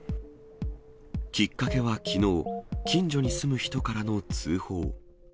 きっかけはきのう、近所に住む人からの通報。